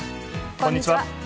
こんにちは。